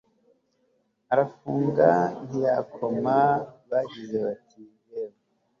arafunga ntiyakoma bagize bati yewe